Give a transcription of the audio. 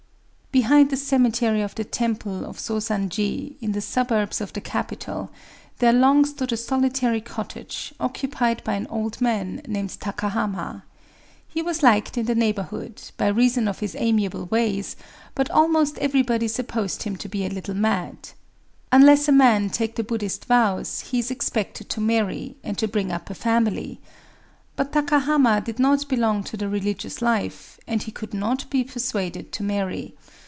Behind the cemetery of the temple of Sōzanji, in the suburbs of the capital, there long stood a solitary cottage, occupied by an old man named Takahama. He was liked in the neighborhood, by reason of his amiable ways; but almost everybody supposed him to be a little mad. Unless a man take the Buddhist vows, he is expected to marry, and to bring up a family. But Takahama did not belong to the religious life; and he could not be persuaded to marry.